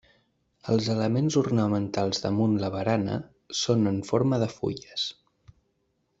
Els elements ornamentals damunt la barana són en forma de fulles.